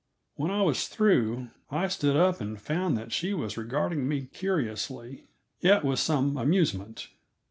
When I was through I stood up and found that she was regarding me curiously, yet with some amusement.